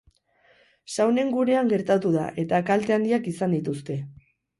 Saunen gunean gertatu da, eta kalte handiak izan dituzte.